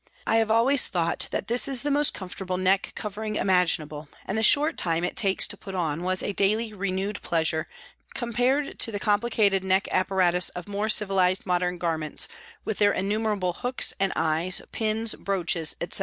I always have thought this the most comfortable neck covering imaginable and the short time it takes to put on was a daily renewed pleasure compared to the complicated neck apparatus of more civilised modern garments with their innumerable hooks and eyes, pins, brooches, etc.